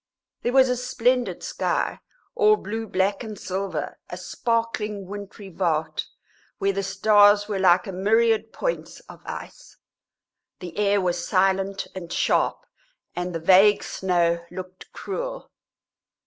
There was a splendid sky, all blue black and silver a sparkling wintry vault, where the stars were like a myriad points of ice. The air was silent and sharp, and the vague snow looked cruel.